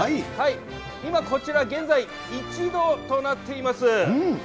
今、こちら現在、１度となっています。